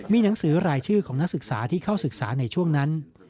มีหนังสือรายชื่อของนักศึกษาที่เข้าศึกษาในช่วงนั้น